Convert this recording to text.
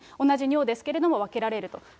同じ尿ですけれども、分けられると。